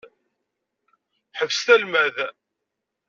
Ḥebset almad!